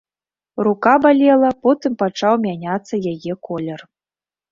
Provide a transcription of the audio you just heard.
Рука балела, потым пачаў мяняцца яе колер.